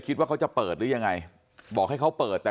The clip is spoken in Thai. จังหวะนั้นได้ยินเสียงปืนรัวขึ้นหลายนัดเลย